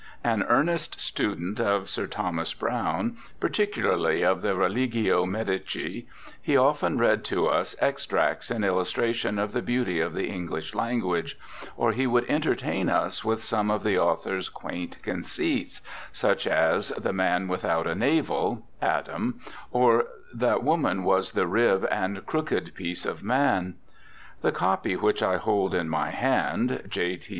An earnest student of Sir Thomas Browne, particularly of the Religio Medici, he often read to us extracts in illustration of the beauty of the English language, or he would entertain us with some of the author's quaint conceits, such as the man without a navel (Adam), or that woman was the rib and crooked piece of man. The copy which I hold in my hand (J. T.